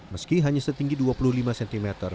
meski hanya setinggi dua puluh lima cm